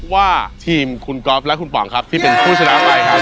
ว่าทีมคุณก๊อฟและคุณป๋องครับที่เป็นผู้ชนะไปครับ